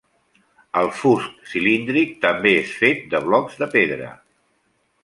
El fust cilíndric també és fet de blocs de pedra.